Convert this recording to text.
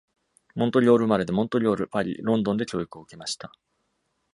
モントリオール生まれで、モントリオール、パリ、ロンドンで教育を受けました。